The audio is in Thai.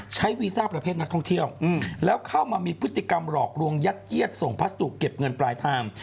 วีซ่าประเภทนักท่องเที่ยวแล้วเข้ามามีพฤติกรรมหลอกลวงยัดเยียดส่งพัสดุเก็บเงินปลายทาง